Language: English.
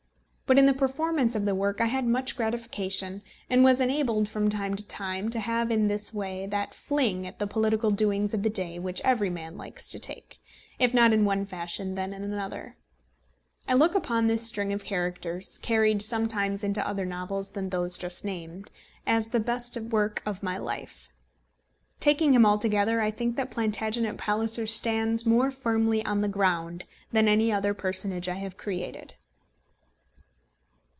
But in the performance of the work I had much gratification, and was enabled from time to time to have in this way that fling at the political doings of the day which every man likes to take, if not in one fashion then in another. I look upon this string of characters, carried sometimes into other novels than those just named, as the best work of my life. Taking him altogether, I think that Plantagenet Palliser stands more firmly on the ground than any other personage I have created.